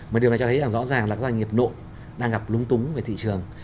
một điều này cho thấy rõ ràng là doanh nghiệp nội đang gặp lung tung về thị trường